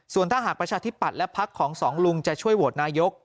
ส่วนถ้าหากประชาธิปัตย์และพักของสองลุงจะช่วยโหวตนายก